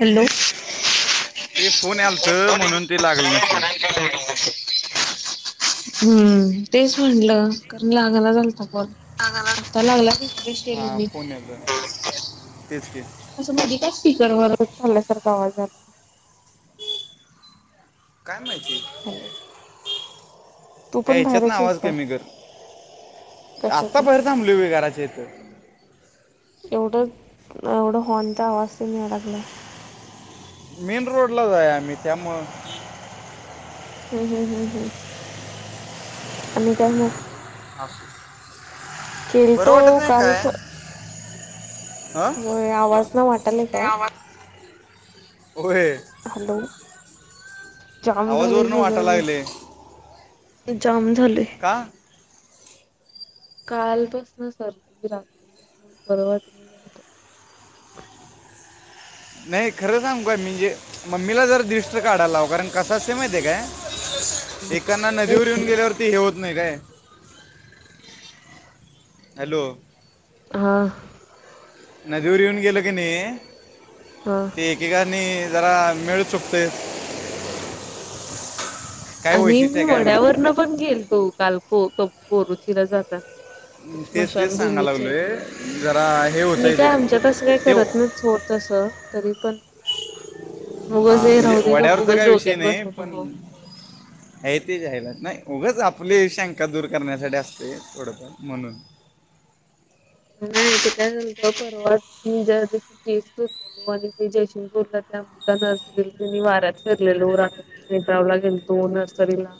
Hello ते phone आलतं म्हणून ते लागल नसेल. [unintelligible] हम्म तेच म्हणलं, करणी आगाला जाऊन थकवा [unintelligible] लागला की तेच केलं हा मी, फोन येतो तेच की असं मधी कस्स? स्पिकर वर ठेवल्यासारखा आवाज यालाय. काय माहिती? हॅलो! तू हे पण याच्यात ना बाहेरच आहेस आवाज काय कमी कर कशाच आत्ता बाहेर थांबलोय घरााच्या इथं. एवढं एवढं हॉर्नचा आवाज ते याय लागलायं. मेन रोडला च आहे आम्ही त्यामुळं. हम्म- हम्- हम्- हम् आणि काय मगं? बरं केलतो वाटत नाही काल काय स हा होय, आवाज न वाटलयं काय? होय. हॅलो जाम झाले आवाजवरनं वाटा सगळं मी लागले जाम झालेयं. का कालपासन सर्दी रात्रीपासन बरं वाटलं झालत.. नाही खरं सांगू काय म्हणजे मम्मीला जर दृष्ट काढाला लाव कारण कसा से माहित आहे काय एकाना नदीवर येऊन गेल्यावरती हे होत नाही काय. हॅलो! हा. नदीवर येऊन गेलं की नाही हा ते एकेकानी! जरा मिळू शकतोय. आणि मी माहिती वड्यावरन पण गेलतो काल ख कोरुचीला जाताना. ते तेच तेच सांगायला स्मशानभूमीचे लागलोय जरा हे मी होतंय काय ते आमच्या तसं काय ते करत नाही सोड. तसं तरी पणं हा म्हणजे गप वाड्यावरचा उगच काही विषय डोक्यात नाही बसू पण नको. आहे ते जाहीरात नाही उगंच आपली शंका दूर करण्यासाठी असते थोडं फार म्हणून हम्. [inaudible] परवा मी ज्या दिवशी जयसिंगपूर [inaudible] वाऱ्यात फिरलेलो रात्री भेटायला गेलतो नर्सरीला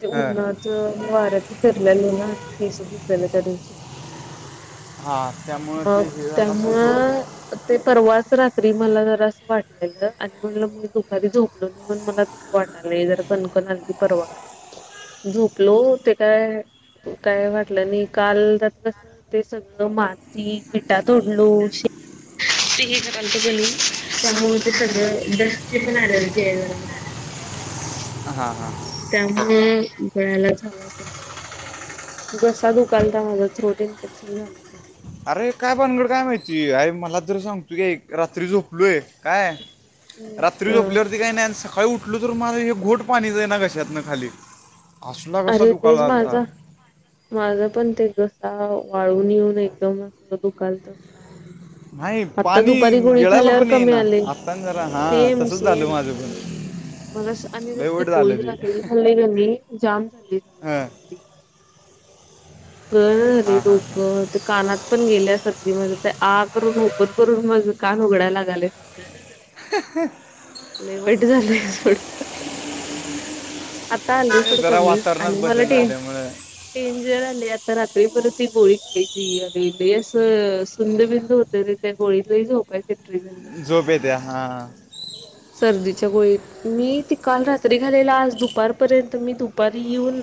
ते हां उन्हाच वाऱ्याच फिरलेलो ना केस दुतलेला त्या दिवशी हा. अ मगं त्यामुं ते परवाच रात्री मला जरासं वाटलेल आणि मगं मी दुपारी झोपलो नाही मला तस वाटलंय ज पण अगदी परवा झोपलो ते काय काय वाटलं नाही काल [unintelligible] कस ते सगळं मान ती बिटा तोडलो, शे ते हे करालत गण त्यामुळे ते सगळं डस्टचे पण ॲलर्जी आहे जरा हा. त्यामुळे गळ्याला झाला असेल. घसा दुखालता रोट इन्फेक्शन झाले त्या अरे काय भनगड काय माहिती अरे मला जर सांगतो की ऐक रात्री झोपलोय काय हम्म. रात्री झोपल्यावरती अ काही नाही सकाळी उठ म्हटलं तर मला हे घोट पाणीच आहे घशातन खाली असला कसा अरे तेच दुखायला आलता माझा माझ पण ते घसा वाळून येऊन एकदम अस दुकाल तर काल नाही. नाही आता पाणी दुपारी गुणी गिळायला खाल्ल्यावर पण कमी येईना आले आत्ता न जरा हां सेम तसंच झालं सेम. माझं पण मला असं आ लय वाईट झालं गोळी रात्री खाल्ली क नाही जाम झाली. सगळं हा. गररे हां डोकं ते कानात पण गेल्यासा म्हणजे आ करून ओपन करून मगं कान उघडाय लागालय सारखं लर वाईट झालंय सोडं. आता आले ते सोडं जरा कमी आणि वातावरणात मला बदल टेन झाल्यामुळं डेंजर आले, आता रात्री परत ती गोळी खायची. जी आणि लय असं सुंद बिंद होते त्या गोळीत झोप झोप येते हां सर्दी च्या गोळीत मी ती काल रात्री खाल्लेला. आज दुपारपर्यंत मी दुपारी येऊन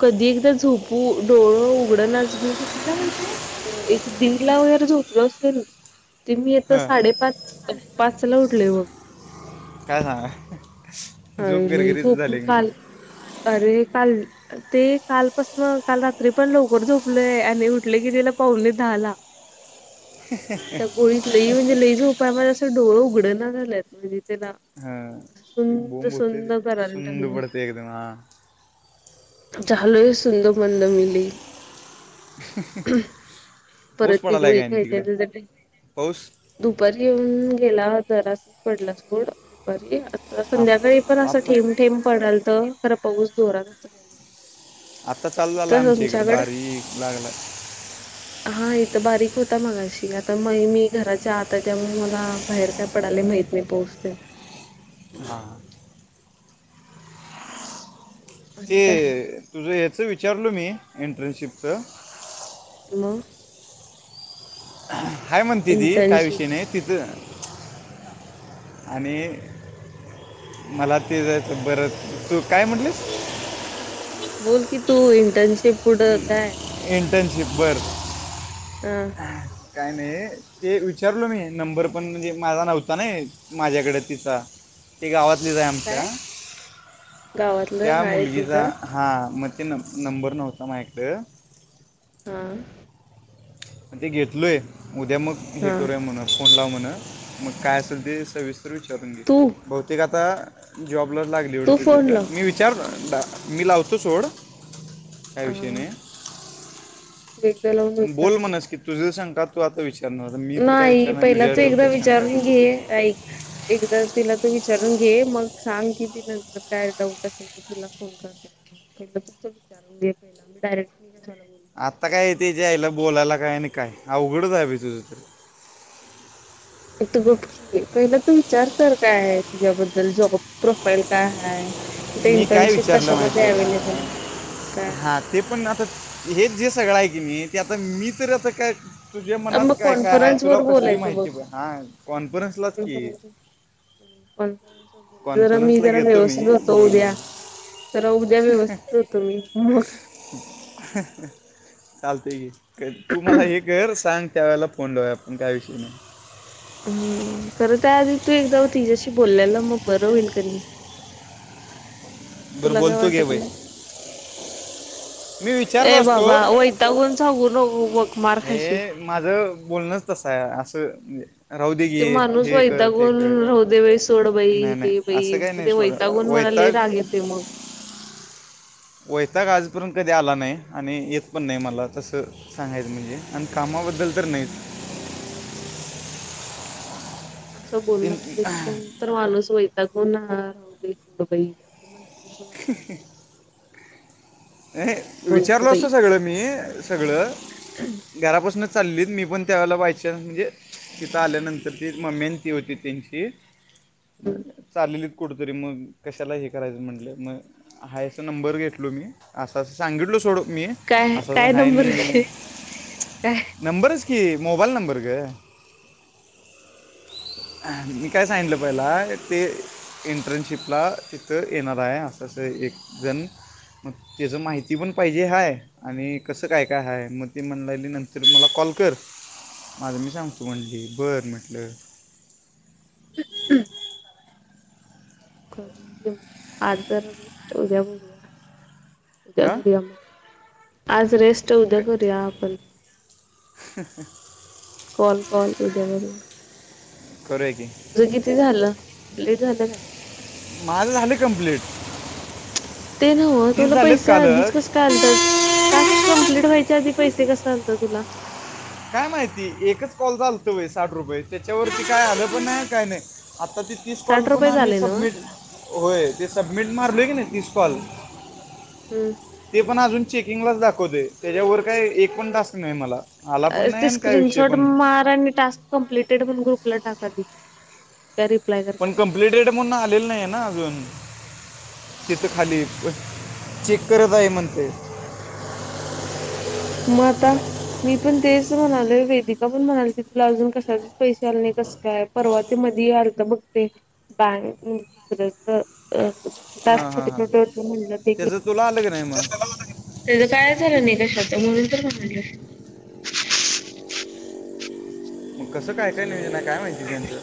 कधी एकदा झोपू डोळं उघडनाच मी कितीला माहिती एक दिंडला वगैरै झोपलं असेल ते मी आता हां साडेपाच पाच ला उठले बघं. काय सांगा झोप अरे लय गरगरीत झोप झाले की काल नाही अरे काल ते कालपासन काल रात्री पण लवकर झोपलय आणि उठले की तिला पाऊणे दहाला. त्या गोळीत लई म्हणजे लईच झोपाय मला असं डोळ उघडना झालंत त्याला हां असून ते बोंब होते सुंद ते कराला सुंद टाकले. पडते एकदम हां झालोय सुंद मंद मी लयं. पाऊस परत ती पडायला आहे गोळी काय नाही खायची तिकडे आहे त पाऊस दुपारी येऊन गेला जरास पडला सोड दुपारी आता संध्याकाळी पण आप- अस आत्ता ठेंब ठेंब पडला खरा पाऊस जोरात असं काही नाही. आत्ता चालू झाला तिथं आमच्या इकडे तुमच्याकड? बारीक लागला हा इथं बारीक होता मगाशी आता मगं मी घराच्या आता त्या म मला बाहेर काय पडायला माहित नाही पाऊस ते. हां ते आणि काय तुझं ह्याच विचारलो मी एंट्रन्शिपचं. मगं. हाय म्हणते ती काय इंटर्नशिप विषयी नाही तिथं आणि मला ते जायचं. बरं तू काय म्हटलीस? बोल की तू इंटर्नशिप. पुढं काय इंटर्नशिप बरं. हा काय? आणि ते विचारलो मी नंबर पण म्हणजे माझा नव्हता नाही माझ्याकडे तिचा ते गावातलेच आहे आमच्या काय गावातलं त्या हाय मुलगीचा तिथं हा म ते नं नंबर नव्हता मायकडे हा. ते घेतलोय उद्या मगं हे हा करूया म्हण फोन लाव म्हण. मगं काय असेल ते सविस्तर विचारून घे तू बहुतेक आता जॉब लागली एवढ तू फोन लाव तिथं मी विचार मी लावतो सोड काय अ. विषय नाही [inaudible] पण बोल म्हणस की तुझे शंका तू आता विचार नाही पहिला तू एकदा शंका की विचारून घे. ऐक एकदा तिला तू विचारून घे मग सांग किती नंतर काय डाऊट असेल तर तुला फोन करते तु विचारून घे पहिला. मी डायरेक्ट [inaudible] आता काय तेच्या आयला बोलायला. काय नाही काय अवघडच आहे बाय तुझ तरं. तू गप्प की पहिलं तू विचार तर कायं आहे तुझ्याबद्दल जॉब प्रोफाईल कायं हायं? मी काय विचारलं माहिती आहे आहे. का हा काय ते पण आता हेच जे सगळं आहे की मी ते आता मी तर आता काय तुझ्या मनात मग काय काय आहे कॉन्फरन्स तुला वर कसली बोलायचं बघ माहिती हा कॉन्फरन्सलाच की काॅन्फंरंस जरा मी कॉन्फरन्सला जरा घेतो मी व्यवस्थित होतो बोल उद्या म्हणून जरा उद्या व्यवस्थित होतो मी मगं. चालतयं तु मला हे कर सांग त्या वेळेला फोन लीवूया आपण काय विषयी नाही. हम्म खरं त्याआधी तू एकदा तिच्याशी बोलल्याला मगं बरं होईल की नाही. बरं, बोलतो घे बाई. नाही मी विचारलो ए असतो. बाबा वैतागून सांगू नको बघ मार खाशील हे माझ बोलण तसायं आहे असं राहू दे ते गे माणूस हे कर ते वैतागून कर राहूदे बाई सोड बाई नाही नाही हे बाई असं काही नाही ते सोड वैतागून मला लई वैताग राग येतोय मगं. वैताग आजपर्यंत कधी आला नाही आणि येत पण नाही मला तसं सांगायचं म्हणजे आणि कामावर बदल तरं नाहीच. [inaudible] असं बोलला तीन की कोण तर माणूस वैतागून राहू दे सोड बाई असं म्हण सं वाटलत. विचारलो असत सगळं मी सगळं घरापासून चाललीत मी पण त्यावेळेला बाय चान्स म्हणजे तिथं आल्यानंतर ती मम्मी आणि ती होती त्यांची मग चालली कुठंतरी मगं कशाला हे करायचं म्हटलं मगं आहे असा नंबर घेतलो मी असं असं सांगितलो सोड मी काय असंं काय आहे नंबर नाही. काय नंबरच की मोबाईल नंबर गं. मी काय सांगितलं पहिला ते इंटर्नशिपला तिथं येणार आहे असं असं एकजण मगं त्याच माहिती पण पाहिजे हाय आणि कसं कायं कायं हाय मगं ती म्हणाली नंतर मला कॉ कॉल कर माझं मी सांगतो म्हणली. बरं म्हटलं. [inaudible] कर घेऊ आज जरा रेस्ट उद्या बघूया. उद्या हां करूया मगं आज रेस्ट उद्या करूया आपण. कॉल कॉल उद्या बघू. करूया की तुझं किती झालं? कंप्लिंट झालं काय? माझं [inaudible] ते नव्ह तीस तुला झालेत पैसे आधीच कालच कसं काय आलत टास्क कंप्लीट व्हायच्या आधी? पैसे कसं आलत तुला? काय माहिती एकच कॉल चालत साठ रुपये त्याच्यावरती काय आलं पण नाही काय नाही. आता ती तीस कॉल साठ पुन्हा रुपयेच आणि आले नव्ह सबमिट होय ती स मीट मारलय ना तीस काॅल. हम्म ते पण अजू किंगलाच दाखवते त्याच्यावर काही एक पण टास्क नाही मला. आला पण नाही ते आणि काय विषय स्क्रीनशॉट पण नाही मार आणि टास्क कंप्लिटेड म्हणून ग्रुपला टाका आधी रिप्लाय पण करत्या बघू. कंप्लिटेड म्हणून आलेल नाहीय ना अजून. तिथं खाली चेक करत आहे म्हणते. मगं आता? मी पण तेच म्हणाले. वेदिका पण म्हणालती ती तुला अजून कशाचेच पैसे आले कसं कायं परवा ते कधी आलत बघ ते [inaudible] टास्क हां हां हां छोटे-छोटे होते म्हटले होते कि त्याचं तुला आलं की नाही मग त्याचं काय झालं न कशाच म्हणून तर म्हणाले. मग कसं काय काय नियोजना काय माहिती त्यांचं?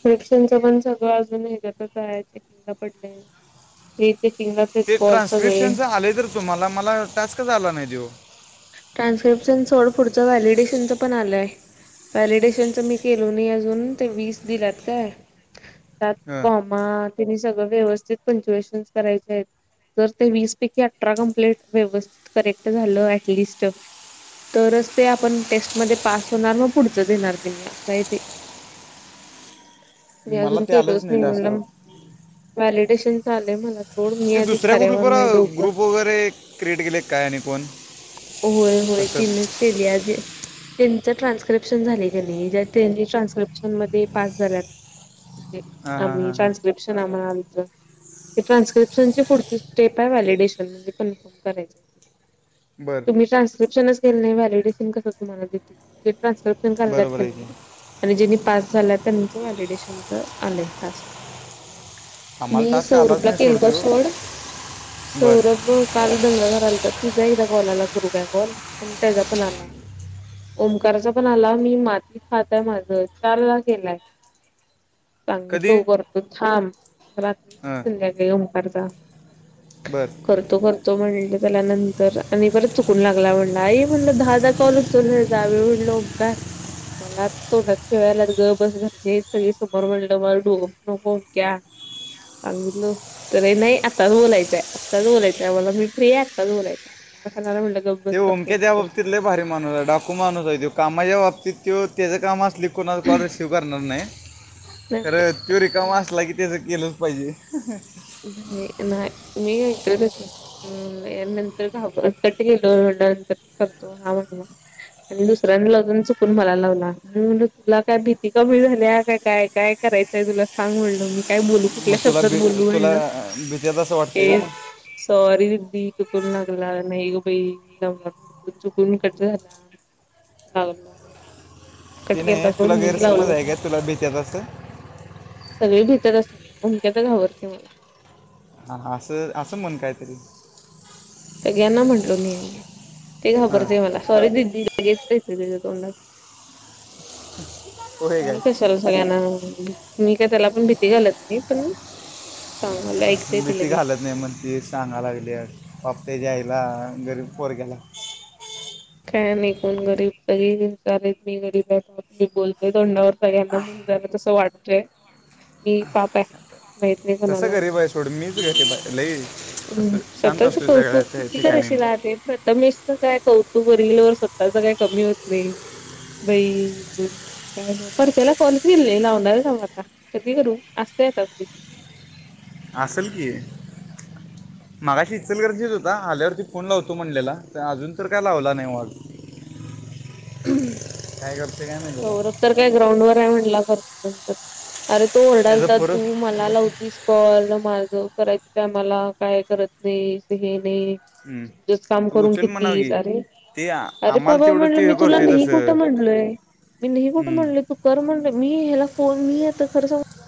[unintelligible] पण सगळं अजून हेच्यातच आहे चेकिंग ला पडलं हे चे ते ट्रान्स्क्रिप्शनचं आले तर तुम्हाला मला टास्क झाला नाही तो ट्रान्स्क्रिप्शन सोड पुढचं व्हॅलिडेशनचं पण आलंय. व्हॅलिडेशनचं मी केलो नाही अजून ते वीस दिल्यात काय. त्या हां कॉमा त्यांनी सगळं व्यवस्थित पंचुएशनस करायचे आहेत. जर ते वीस पैकी अठरा कंप्लेट व्यवस्थित करेक्ट झालं ॲटलिस्ट तरच ते आपण टेस्टमध्ये पास होणार मगं पुढच देणार तेनी असं आहे ते. मी मला अजून ते आलंच केलोच नाही टास्क म्हणला. व्हॅलिडेशनच आलय मला सोड मी ते आधी दुसऱ्या थार्‍यावर ग्रुपवर नाही डोक ग्रुप वगैरे क्रिएट केले काय आणि कोण होय होय तसं तिनच केल्या जे तेचं ज्याचं ट्रान्सक्रिप्शन झालय की नाही, ज्या तेनी ट्रास्क्रिप्शनमध्ये पास झाल्यात ते हां हां आम्ही हां हां ट्रान्स्क्रिप्शन आम्हाला आलत ट्रान्स्क्रिप्शन ची पुढची स्टेप आहे व्हॅलिडेशन म्हणजे कन्फर्म करायचं. बरं तुम्ही ट्रान्स्क्रिप्शनच केलं नाही व्हॅलीडेशन कसं तुम्हांला देतील? ट्रान्सक्रिप्सन कराल्यात बरोबर की आहे नाही, आणि ज्यनी पास झाल्यात त्याना च व्हॅलीडेशनच आलंय टास्क आम्हाला मी टास्क आलाच सौरभला नाही केलतो सोडतो सोड बर सौरभ काल दंगा करालता तुझा एकदा कॉल आला करु काय कॉल आणि त्यजापण आला. ओमकारचा पण आला मी मातीत हात हाय माझ चार ला केलाय कधी सांगितलो करतो थांब रात्रीच हां की संध्याकाळी ओंकारचा बर करतो करतो म्हणलं त्याला नंतर आणि परत चुकून लागला म्हणला आई म्हणल दहादा कॉलच उचलला आणि म्हणल ओंकार मला आता तोंडात शिव्या याल्यात गबस घरची हायत सगळी समोर म्हणलं माझ डोकं फिरवू नको ओंक्या सांगितलो तरी नाही आत्ताच बोलायचाय आत्ताच बोलायचाय मला मी फ्री आहे आत्ताच बोलायचाय मार खाणार म्हणलं ते ओमक्या त्या बाबतीत लइ भारी माणूस आहे, डाकू माणूस आहे, तो कामाच्या बाबतीत त्यो तेज काम अस ल की कुणाचं कॉल रिसिव्ह करणार नाही खरं त्यो रिका मा नाही असला की त्याचं केलंच पाहिजे म् नंतर घाबर कट केलो म्हणल नंतर करतो मग हा म्हणला आणि दुसऱ्याना लावय जाऊन चुकून मला लावला मी म्हणलं तुला काय भीती कमी झाल्या का? काय काय काय करायचाय तुला सांग म्हणलं मी काय बोलू? मग कुठल्या तुला शब्दात बी बोलू? तुला म्हणलं. ल भीत्यात असं ते वाटतंय मग सॉरी बी चुकून लागला नाही ग बाई मी लावणार नव्हतो चुकून कट झाला. लावला म्हणजे कट ते नाही केलता सोड तुला मीच गैरसमज लावलो, आहे का तुला भीत्यात असं सगळी भित्यातच ओमक्या तर घाबतोय मला हा असं असं म्हण कायतरी सगळ्यांना म्हटलो नाही आहे मी ते हां घाबरतय मला सॉरी दिदी लगेच येतंय त्याच्या तोंडात [inaudible] काय मी कशाला सगळ्यांना मी का त्याला पण भीती घालत नाही पण सांगायला ऐकते ती भीती लगेच घालत नाही म्हणतीस सांगा लागल्यास पाप तेज्या आयला गरीब पोरग्याला काय नाही कोण गरीब सगळीजण हुशार आहेत मी गरीब आहे पाप मी बोलतोय तोंडावर सगळ्यांना म्हणताना तसं वाटतय मी पाप आहे माहित नाही तस कोणाला गरीब आहे सोड मीच गरीब हाय लई हुं हू असं शांत स्वतःच असतो सगळ्या कौतुक त्या किती ठिकाणी मी करशीला ते प्रथमेशच काय कौतु क करशील स्वतःच काय कमी होत नाही बई म्हणलं काय मग परत्याला कॉलच केलं नाही लावणार आहे थांब आता कधी करू? देतात का ते असल की [unintelligible] मघाशी इचलकरंजीत हुता आल्यावरती फोन लावतो म्हणलेला तर अजून तर काय लावला नाही बग [unintelligible] करते काय नाही सौरभ बाबा तर काय ग्राउंड वर आहे म्हणला करतो नंतर अरे तो त्याचं ओरडालता पुरं तू मला लावतीस, कॉल माझं करायच्या टायमाला काय करत नाईस हे हम्म. काम तू करून उचल म्हणाव घेत की अरे ते आ- अरे आम्हाला बाबा तेवढं म्हटल ते मी हे करतोय नहीं कुठ तसं म्हंटलोय मी नहीं कुठ हम्म. म्हणलय तू कर म्हटल मी ला फोन मी येत खर स